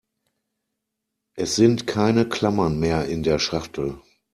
Es sind keine Klammern mehr in der Schachtel.